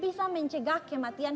bisa mencegah kematian